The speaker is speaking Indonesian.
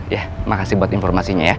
ya makasih buat informasinya ya